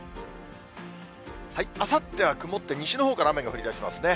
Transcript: あさっては曇って、西のほうから雨が降りだしますね。